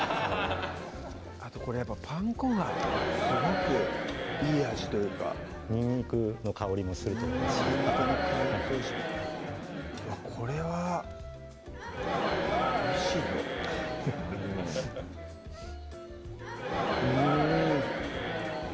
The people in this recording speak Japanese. あとこれパン粉がすごくいい味というかにんにくの香りもすると思いますしにんにくの香りもするしこれはおいしいぞフフフッうん